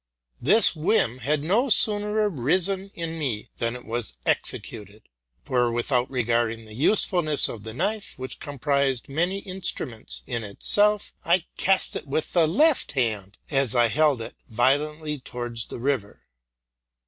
This whim had no sooner arisen in me than it was executed. For with out regarding the usefulness of the knife, which comprised many instruments in itself, I cast it with the left hand, as I held it, violently towards the river.